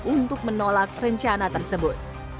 untuk menolak rencana tersebut